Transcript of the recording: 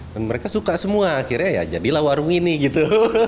mereka suka semua akhirnya ya jadilah warung ini gitu